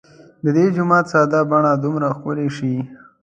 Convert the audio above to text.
د دې جومات ساده بڼه دومره ښکلې شي.